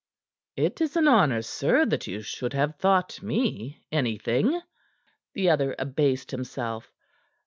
"It is an honor, sir, that you should have thought me anything." The other abased himself.